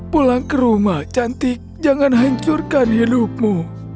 pulang ke rumah cantik jangan hancurkan hidupmu